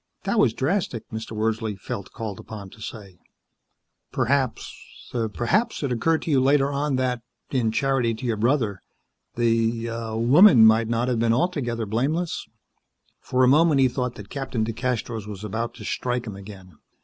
"That was drastic," Mr. Wordsley felt called upon to say. "Perhaps perhaps it occurred to you later on that, in charity to your brother, the er woman might not have been altogether blameless." For a moment he thought that Captain DeCastros was about to strike him again.